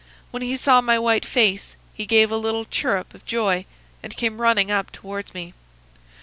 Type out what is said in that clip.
When he saw my white face he gave a little chirrup of joy and came running up towards me.